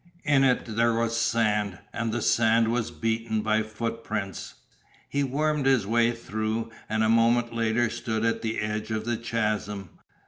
In it there was sand, and the, sand was beaten by footprints! He wormed his way through, and a moment later stood at the edge of the chasm.